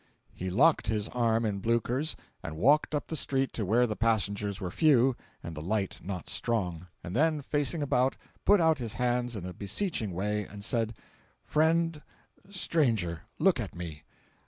He locked his arm in Blucher's and walked up the street to where the passengers were few and the light not strong, and then facing about, put out his hands in a beseeching way, and said: "Friend—stranger—look at me!